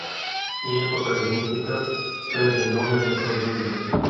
In epoca ellenistica prese il nome di Afrodisia.